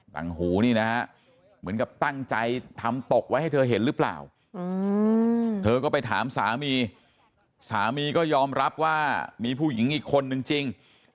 หูนี่นะฮะเหมือนกับตั้งใจทำตกไว้ให้เธอเห็นหรือเปล่าเธอก็ไปถามสามีสามีก็ยอมรับว่ามีผู้หญิงอีกคนนึงจริง